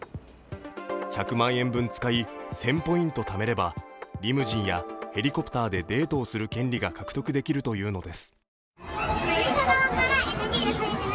１００万円分使い、１０００ポイントためればリムジンやヘリコプターでデートをする権利が獲得できるというのです。